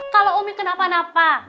kalau umi kenapa napa